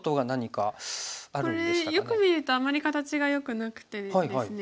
これよく見るとあまり形がよくなくてですね。